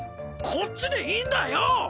こっちでいいんだよ！